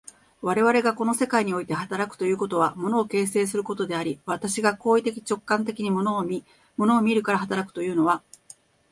我々がこの世界において働くということは、物を形成することであり、私が行為的直観的に物を見、物を見るから働くというのは、